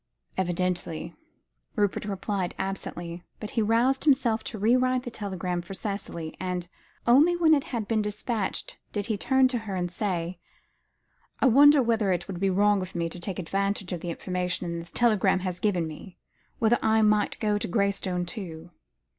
"Evidently," Rupert replied absently, but he roused himself to re write the telegram for Cicely; and, only when it had been despatched, did he turn to her and say "I wonder whether it would be wrong of me to take advantage of the information this telegram has given me; whether I might go to Graystone, too?"